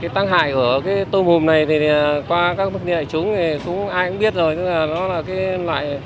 tăng hại của tôm hùng này qua các mức địa chứng ai cũng biết rồi